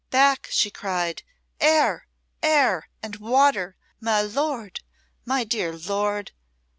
back!" she cried. "Air! air! and water! My lord! My dear lord!"